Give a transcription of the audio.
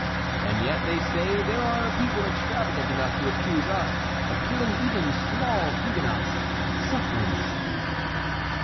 And yet they say there are people extravagant enough to accuse us of killing even small Huguenots, sucklings."